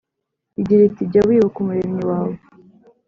igira iti jya wibuka Umuremyi wawe